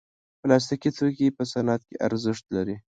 پلاستيکي توکي په صنعت کې ارزښت لري.